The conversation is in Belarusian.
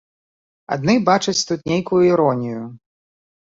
Адны бачаць тут нейкую іронію.